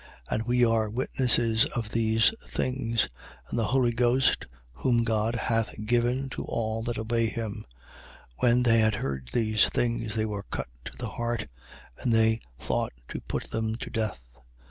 5:32. And we are witnesses of these things: and the Holy Ghost, whom God hath given to all that obey him. 5:33. When they had heard these things, they were cut to the heart: and they thought to put them to death.